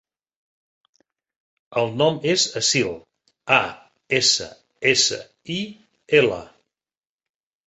El nom és Assil: a, essa, essa, i, ela.